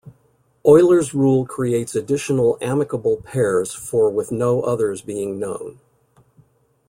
Euler's rule creates additional amicable pairs for with no others being known.